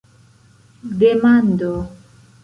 demando